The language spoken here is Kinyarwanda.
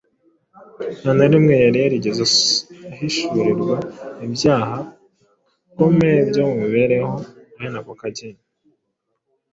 Nta na rimwe yari yarigeze ahishurirwa ibyaha bikomeye byo mu mibereho bene ako kageni.